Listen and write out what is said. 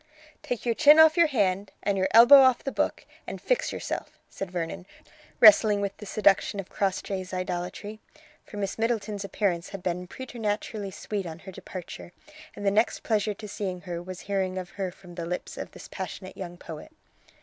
"Take your chin off your hand and your elbow off the book, and fix yourself," said Vernon, wrestling with the seduction of Crossjay's idolatry, for Miss Middleton's appearance had been preternaturally sweet on her departure, and the next pleasure to seeing her was hearing of her from the lips of this passionate young poet.